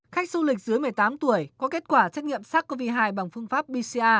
khách du lịch dưới một mươi tám tuổi có kết quả trách nhiệm sars cov hai bằng phương pháp pcr